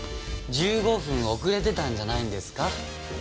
１５分遅れてたんじゃないんですか？